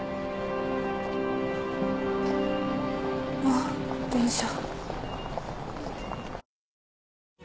あっ電車。